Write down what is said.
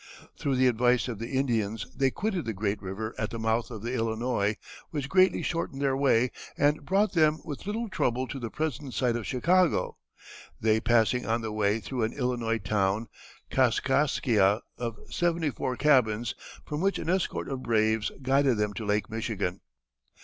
Through the advice of the Indians they quitted the great river at the mouth of the Illinois, which greatly shortened their way and brought them with little trouble to the present site of Chicago, they passing on the way through an Illinois town, Kaskaskia, of seventy four cabins, from which an escort of braves guided them to Lake Michigan.